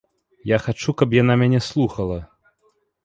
Я хачу, каб яна мяне слухала.